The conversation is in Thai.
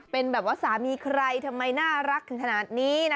เป็นแบบว่าสามีใครทำไมน่ารักถึงขนาดนี้นะ